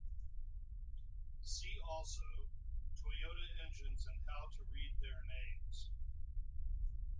See also: Toyota engines and how to read their names.